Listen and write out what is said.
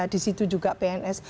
di situ juga pns